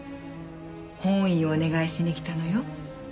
翻意をお願いしに来たのよ。